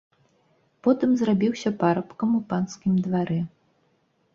Потым зрабіўся парабкам у панскім дварэ.